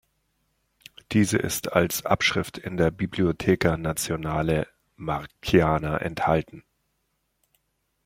Diese ist als Abschrift in der Biblioteca Nazionale Marciana erhalten.